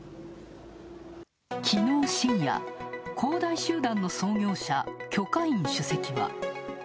きのう深夜、恒大集団の創業者・許家印主席は。